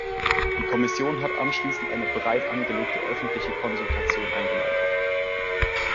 Die Kommission hat anschließend eine breit angelegte öffentliche Konsultation eingeleitet.